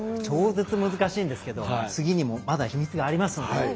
超絶難しいんですけど次にもまだ秘密がありますので。